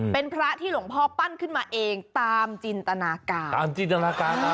เป็นพระที่หลวงพ่อปั้นขึ้นมาเองตามจินตนาการ